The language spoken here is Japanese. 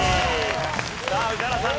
さあ宇治原さん